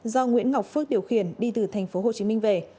do nguyễn ngọc phước điều khiển đi từ tp hcm về